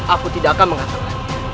aku tidak akan mengatakan